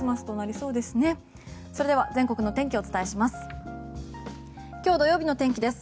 それでは全国の天気をお伝えします。